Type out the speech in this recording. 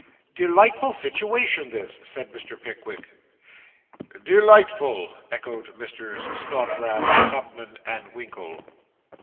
'Delightful situation this,' said Mr. Pickwick. 'Delightful!' echoed Messrs. Snodgrass, Tupman, and Winkle.